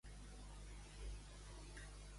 Quan es vol efectuar el Brexit?